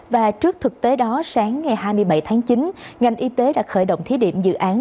và trước thực tế đó sáng ngày hai mươi bảy tháng chín ngành y tế đã khởi động thí điểm dự án